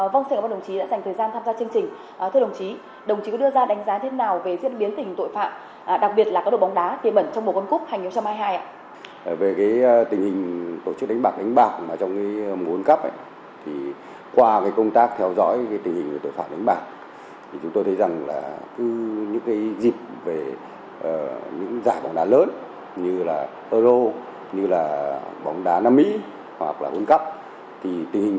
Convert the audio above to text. vâng xin cảm ơn đồng chí đã dành thời gian tham gia chương trình